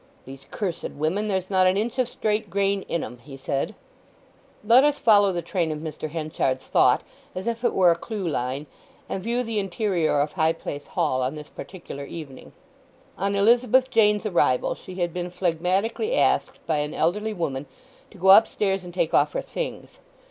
"These cursed women—there's not an inch of straight grain in 'em!" he said. Let us follow the train of Mr. Henchard's thought as if it were a clue line, and view the interior of High Place Hall on this particular evening. On Elizabeth Jane's arrival she had been phlegmatically asked by an elderly woman to go upstairs and take off her things.